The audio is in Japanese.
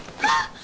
あっ！